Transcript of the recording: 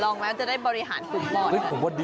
ลองมาจะได้บริหารกลมปอด